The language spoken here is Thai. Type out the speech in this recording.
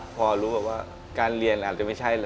พอรู้ว่าการเรียนอาจจะไม่ใช่